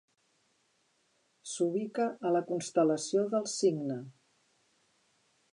S'ubica a la Constel·lació del Cigne.